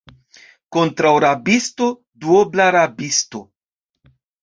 Kontraŭ rabisto, duobla rabisto.